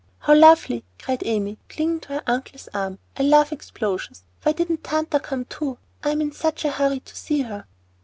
"How lovely!" cried Amy, clinging to her uncle's arm. "I love explosions. Why didn't Tanta come too? I'm in such a hurry to see her."